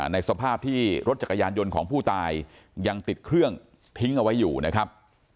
ในสภาพที่รถจักรยานยนต์ของผู้ตายยังติดเครื่องทิ้งเอาไว้อยู่นะครับ